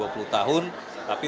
tapi tadi ternyata